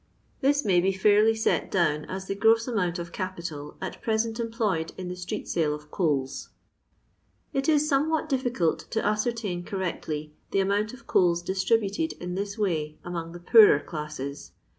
ThiJ may be fidrly tet down at the groet amount of capital at preaent employed in the itreeijale of It ii somewhat diiBcalt to ascertain correctly the amount of coals distribnted in this way among the poorer classes.